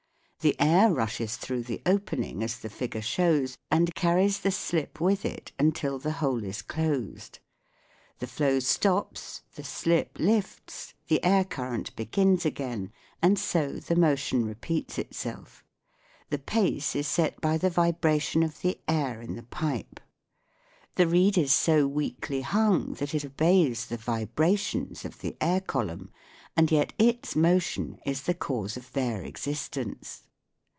The air rushes through the opening as the figure shows and carries the slip with it until the hole is closed. The flow stops, the slip lifts, the air current begins again, and so the motion repeats itself. The pace is set by the vibration of the air in the pipe. The reed is so weakly hung that it obeys the vibrations of the air column, and yet its motion is the cause of their existence.